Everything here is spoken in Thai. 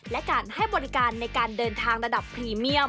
และการให้บริการในการเดินทางระดับพรีเมียม